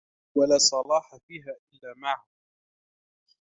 وَلَا صَلَاحَ فِيهَا إلَّا مَعَهُ